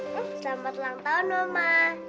selamat ulang tahun mama